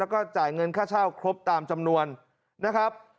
แล้วก็จ่ายเงินค่าเช่าครบตามจำนวนนะครับ